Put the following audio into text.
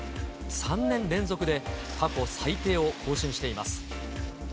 ３年連続で過去最低を更新しています。